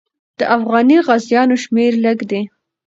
د افغاني غازیانو شمېر لږ دی.